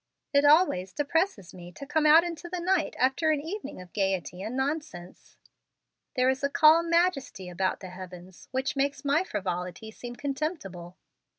"It always depresses me to come out into the night after an evening of gayety and nonsense. There is a calm majesty about the heavens which makes my frivolity seem contemptible.